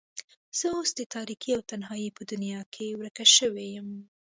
زه اوس د تاريکۍ او تنهايۍ په دنيا کې ورکه شوې يم.